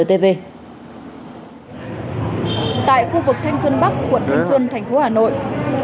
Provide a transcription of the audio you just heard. tại khu vực thanh xuân bắc quận thanh xuân thành phố hà nội